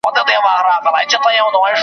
له پسه چي پیدا کیږي تل پسه وي .